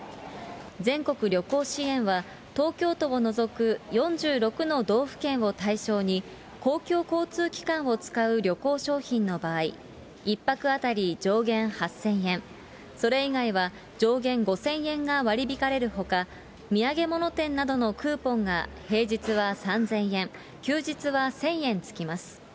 全国旅行支援は、東京都を除く４６の道府県を対象に、公共交通機関を使う旅行商品の場合、１泊当たり上限８０００円、それ以外は上限５０００円が割り引かれるほか、土産物店などのクーポンが平日は３０００円、休日は１０００円付きます。